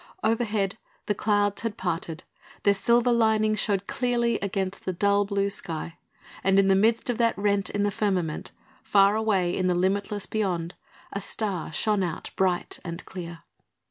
Overhead the clouds had parted, their silver lining showed clearly against the dull blue sky, and in the midst of that rent in the firmament, far away in the limitless beyond, a star shone out bright and clear.